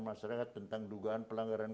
masyarakat tentang dugaan pelanggaran